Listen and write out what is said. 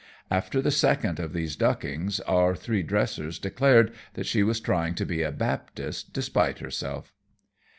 After the second of these duckings our three dressers declared that she was trying to be a Baptist despite herself.